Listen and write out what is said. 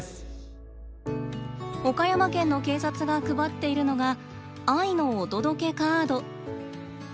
岡山県の警察が配っているのが「愛のお届けカード」。